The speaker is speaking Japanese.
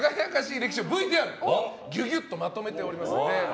歴史をＶＴＲにギュギュッとまとめております。